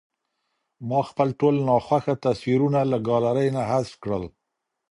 ما خپل ټول ناخوښه تصویرونه له ګالرۍ نه حذف کړل.